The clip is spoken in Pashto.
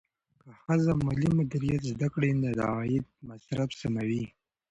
که ښځه مالي مدیریت زده کړي، نو د عاید مصرف سموي.